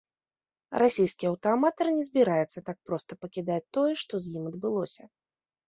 Расійскі аўтааматар не збіраецца так проста пакідаць тое, што з ім адбылося.